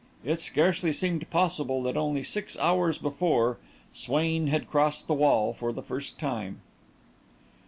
It scarcely seemed possible that, only six hours before, Swain had crossed the wall for the first time!